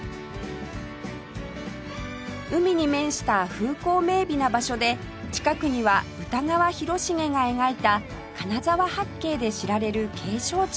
海に面した風光明媚な場所で近くには歌川広重が描いた金沢八景で知られる景勝地も